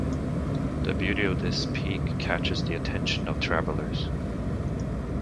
The beauty of this peak catches the attention of travellers.